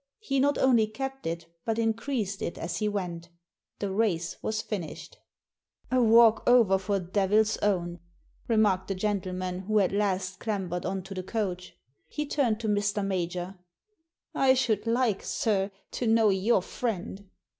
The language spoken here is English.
He not only kept it, but increased it as he went The race was finished. "A walk over for Devil's Own," remarked the gentleman who last had clambered on to the coach. He turned to Mr. Major, " I should like, sir, to know your friend."